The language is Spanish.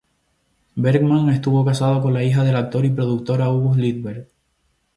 Bergman estuvo casado con la hija del actor y productor August Lindberg.